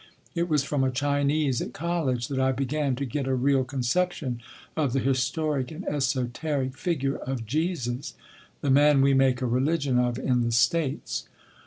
It was from a Chinese at college that I began to get a real conception of the historic and esoteric figure of Jesus—the man we make a religion of in the States.